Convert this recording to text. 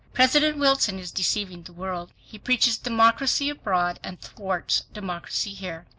PRESIDENT WILSON IS DECEIVING THE WORLD. HE PREACHES DEMOCRACY ABROAD AND THWARTS DEMOCRACY HERE.